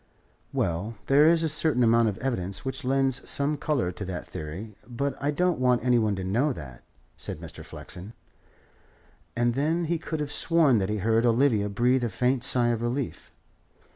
"Well, there is a certain amount of evidence which lends some colour to that theory, but I don't want any one to know that," said Mr. Flexen. And then he could have sworn that he heard Olivia breathe a faint sigh of relief.